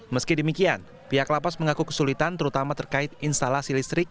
meski demikian pihak lapas mengaku kesulitan terutama terkait instalasi listrik